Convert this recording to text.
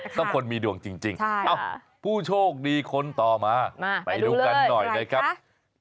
สับคนมีดวงจริงอ้าวผู้โชคดีคนต่อมาไปดูกันหน่อยนะครับไปดูเลย